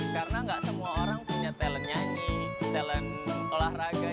karena gak semua orang punya talent nyanyi talent olahraga